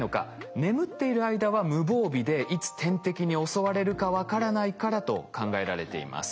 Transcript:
眠っている間は無防備でいつ天敵に襲われるか分からないからと考えられています。